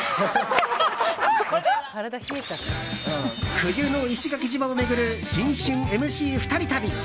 冬の石垣島を巡る新春ＭＣ２人旅。